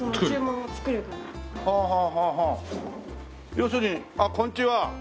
要するにあっこんにちは。